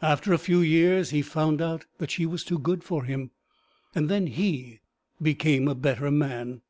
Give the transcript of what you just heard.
After a few years he found out that she was too good for him, and then he became a better man.